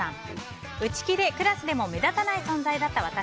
内気でクラスでも目立たない存在だった私。